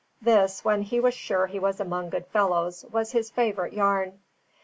This, when he was sure he was among good fellows, was his favourite yarn.